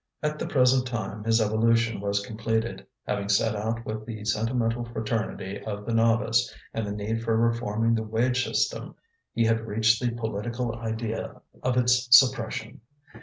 At the present time his evolution was completed. Having set out with the sentimental fraternity of the novice and the need for reforming the wage system, he had reached the political idea of its suppression.